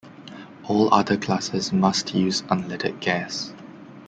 All other classes must use unleaded gas.